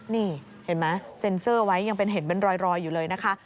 นี่เห็นไหมเซ็นเซอร์ไว้ยังเป็นเห็นเป็นรอยอยู่เลยนะคะ